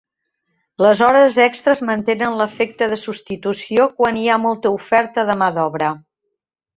Les hores extres mantenen l'efecte de substitució quan hi ha molta oferta de mà d'obra.